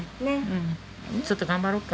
ちょっと頑張ろうか。